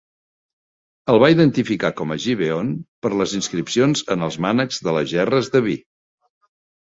El va identificar com a Gibeon per les inscripcions en els mànecs de les gerres de vi.